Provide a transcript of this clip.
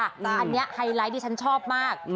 อันนี้ไฮไลท์ที่ฉันชอบมาก